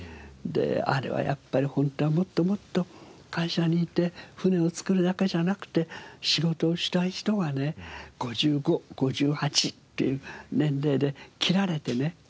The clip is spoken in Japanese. あれはやっぱりホントはもっともっと会社にいて船を造るだけじゃなくて仕事をしたい人はね５５５８っていう年齢で切られていく。